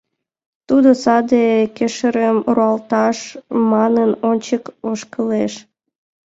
Тудо саде кешырым руалташ манын, ончык ошкылеш.